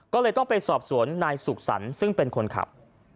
ก็เลยต้องไปสอบสวนนายสุขสรรค์ซึ่งเป็นคนขับ